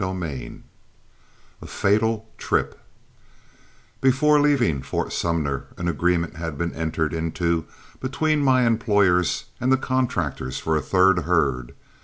CHAPTER IV A FATAL TRIP Before leaving Fort Sumner an agreement had been entered into between my employers and the contractors for a third herd.